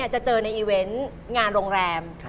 จะเจอในอีเวนต์งานโรงแรม